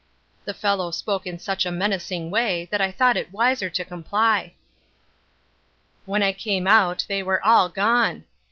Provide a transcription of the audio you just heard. The fellow spoke in such a menacing way that I thought it wiser to comply. When I came out they were all gone.